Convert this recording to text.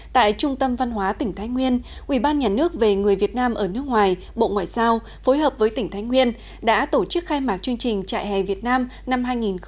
tại trung tâm văn hóa tỉnh thái nguyên ubnd về người việt nam ở nước ngoài bộ ngoại giao phối hợp với tỉnh thái nguyên đã tổ chức khai mạc chương trình trại hè việt nam năm hai nghìn một mươi chín